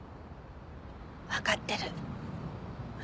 わかってる。